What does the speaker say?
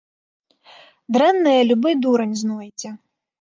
Дрэннае любы дурань знойдзе.